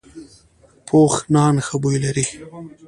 پوخ نان ښه بوی لري